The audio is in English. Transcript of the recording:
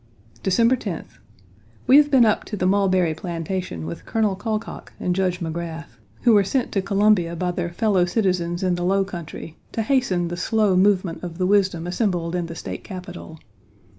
December 10th. We have been up to the Mulberry Plantation with Colonel Colcock and Judge Magrath, who were sent to Columbia by their fellow citizens in the low country, to hasten the slow movement of the wisdom assembled in the State Capital.